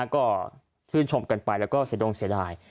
ก็ชื่นชมกันไปแล้วก็เสียดงเสียดาย